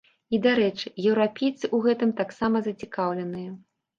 І, дарэчы, еўрапейцы ў гэтым таксама зацікаўленыя.